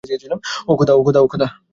ওহ্, খোদা!